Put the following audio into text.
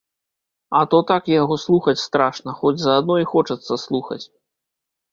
А то так яго слухаць страшна, хоць заадно і хочацца слухаць.